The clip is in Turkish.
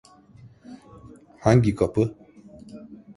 Hangi kapı?